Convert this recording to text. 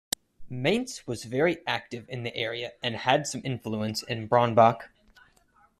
Mainz was very active in the area and had some influence in Bronnbach.